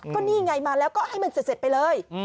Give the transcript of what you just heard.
ก็นี่ไงมาแล้วก็ให้มันเสร็จไปเลย